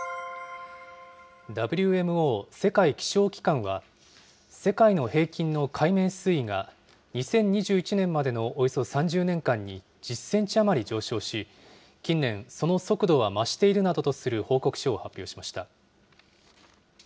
ＷＭＯ・世界気象機関は、世界の平均の海面水位が、２０２１年までのおよそ３０年間に、１０センチ余り上昇し、近年、その速度は増しているなどとする報告書を発表しました。